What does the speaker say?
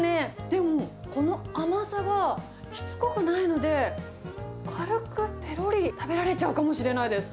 でもこの甘さは、しつこくないので、軽くぺろり、食べられちゃうかもしれないです。